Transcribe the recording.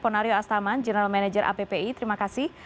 terima kasih mas taman general manager appi terima kasih